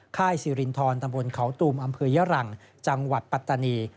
ค่ายสิรินทรตำบลเขาตูมอำเภอยะรังจังหวัดปัตตานี